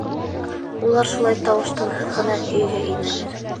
Улар шулай тауыш-тынһыҙ ғына өйгә инәләр.